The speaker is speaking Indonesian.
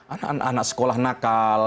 anak anak sekolah nakal